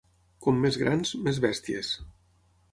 Com més grans, més bèsties.